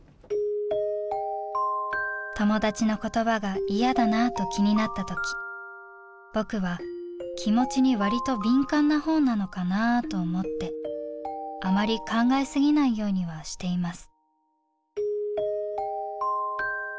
「友達の言葉が嫌だなと気になった時僕は気持ちに割と敏感な方なのかなーと思ってあまり考えすぎないようにはしています」。